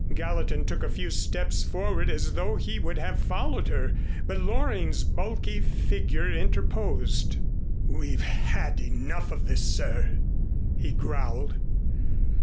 Gallatin took a few steps forward as though he would have followed her, but Loring's bulky figure interposed. "We've had enough of this, sir," he growled.